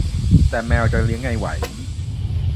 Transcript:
แต่แมวจะเลี้ยงไงไหว